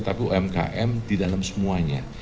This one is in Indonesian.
tapi umkm di dalam semuanya